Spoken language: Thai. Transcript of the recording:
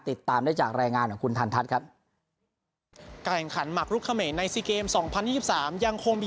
ติดตามได้จากรายงานของคุณทันทัศน์ครับ